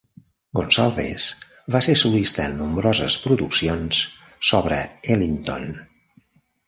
Gonsalves va ser solista en nombroses produccions sobre Ellington.